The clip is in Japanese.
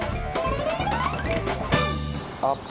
アップ